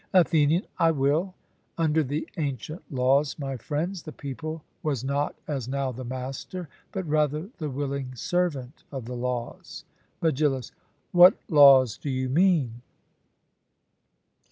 ATHENIAN: I will. Under the ancient laws, my friends, the people was not as now the master, but rather the willing servant of the laws. MEGILLUS: What laws do you mean?